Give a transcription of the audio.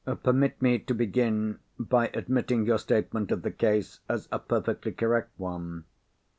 "Permit me to begin by admitting your statement of the case as a perfectly correct one.